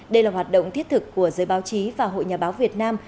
đây là hoạt động thiết thực của giới báo chí và hội nhà báo việt nam